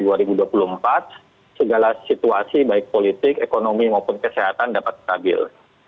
segala situasi baik politik ekonomi maupun kesehatan dapat stabil